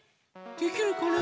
できるかな？